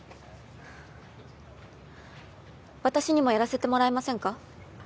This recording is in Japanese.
私にもやらせてもらえませんか？